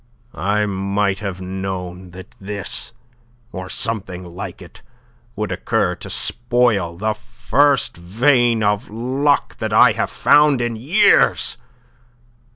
"I might have known that this or something like it would occur to spoil the first vein of luck that I have found in years.